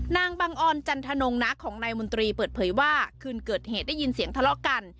นางบังออนจันทนงน้าของนายมนตรีเปิดเผยว่าคืนเกิดเหตุได้ยินเสียงทะเลาะกัน